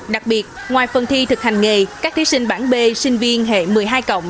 đặc biệt ngoài phần thi thực hành nghề các thí sinh bản b sinh viên hệ một mươi hai